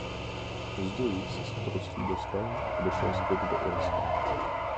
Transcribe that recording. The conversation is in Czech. Později se z otroctví dostal a odešel zpět do Irska.